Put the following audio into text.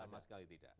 sama sekali tidak